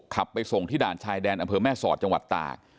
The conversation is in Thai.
ไปส่งที่ด่านชายแดนอำเภอแม่สอดจังหวัดตาก